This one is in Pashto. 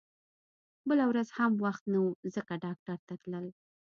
بله ورځ هم وخت نه و ځکه ډاکټر ته تلل